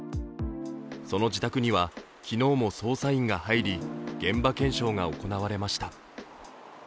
その自宅には、昨日も捜査員が入り現場検証が行われました。